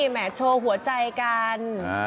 แหมโชว์หัวใจกัน